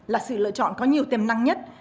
là sự lựa chọn có nhiều tiềm năng nhất